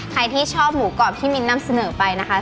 ใครที่ชอบหมูกรอบที่มิ้นนำเสนอไปนะคะ